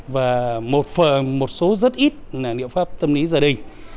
và một số rất ít là liệu pháp tâm lý gia đình